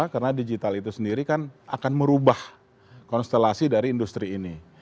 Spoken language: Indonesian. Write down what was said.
karena digital itu sendiri kan akan merubah konstelasi dari industri ini